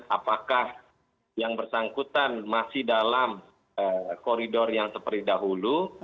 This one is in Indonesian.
apakah yang bersangkutan masih dalam koridor yang seperti dahulu